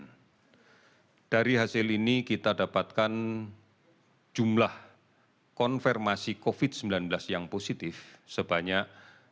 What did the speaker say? dan dari hasil ini kita dapatkan jumlah konfirmasi covid sembilan belas yang positif sebanyak satu empat puluh tiga